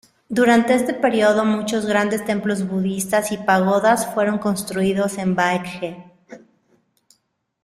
Durante este período, muchos grandes templos budistas y pagodas fueron construidos en Baekje.